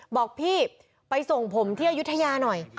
บอกพี่ไปส่งผมที่อายุทยาหน่อย